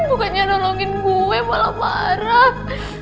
bukannya nolongin gue malah marah